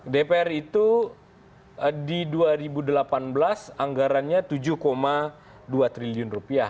dpr itu di dua ribu delapan belas anggarannya rp tujuh dua triliun